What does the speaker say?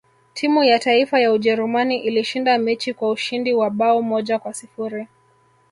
timu ya taifa ya ujerumani ilishinda mechi kwa ushindi wa bao moja kwa sifuri